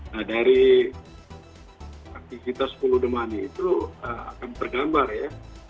nah dari aktivitas full demand itu akan bergambar ya